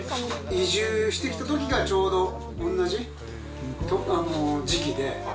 移住してきたときがおんなじ時期で。